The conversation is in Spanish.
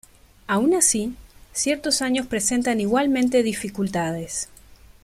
Aun así, ciertos años presentan igualmente dificultades.